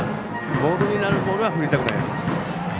ボールになるボールは振りたくないです。